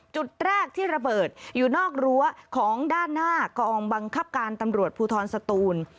จุดแรกที่ระเบิดอยู่นอกรั้วของด้านหน้ากองบังคับการตำรวจภูทรสตูน